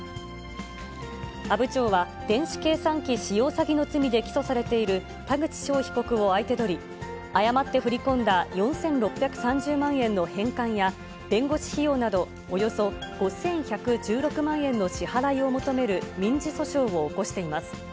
阿武町は、電子計算機使用詐欺の罪で起訴されている、田口翔被告を相手取り、誤って振り込んだ４６３０万円の返還や、弁護士費用など、およそ５１１６万円の支払いを求める民事訴訟を起こしています。